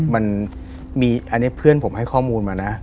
มันมีอันนี้เพื่อนผมให้ข้อมูลมานะ